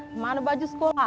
di mana baju sekolah